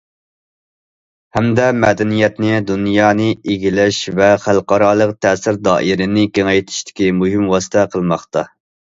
ھەمدە مەدەنىيەتنى دۇنيانى ئىگىلەش ۋە خەلقئارالىق تەسىر دائىرىنى كېڭەيتىشتىكى مۇھىم ۋاسىتە قىلماقتا.